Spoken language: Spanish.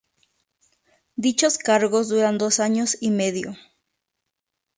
Dichos cargos duran dos años y medio.